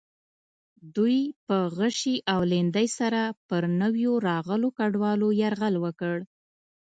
دوی په غشي او لیندۍ سره پر نویو راغلو کډوالو یرغل وکړ.